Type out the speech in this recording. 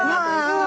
うわ！